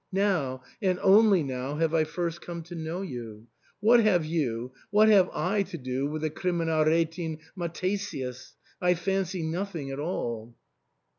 Now, — and only now have I first come to know you. What have you — what have I to do with the Kriminalrdthin Mathesius ? I fancy, noth ing at all."